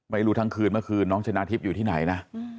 ไม่รู้ทั้งคืนเมื่อคืนน้องชนะทิพย์อยู่ที่ไหนนะ